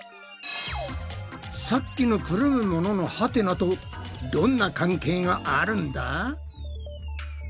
さっきのくるむもののハテナとどんな関係があるんだ？